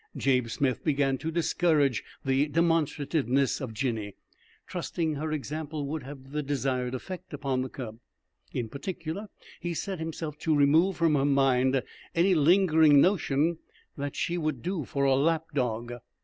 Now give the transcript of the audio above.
Jabe Smith began to discourage the demonstrativeness of Jinny, trusting her example would have the desired effect upon the cub. In particular, he set himself to remove from her mind any lingering notion that she would do for a lap dog.